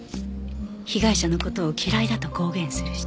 被害者の事を嫌いだと公言する人